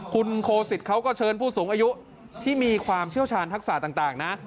คุณโคสิตเขาก็เชิญผู้สูงอายุที่มีความเชี่ยวชาญทักษะต่างนะ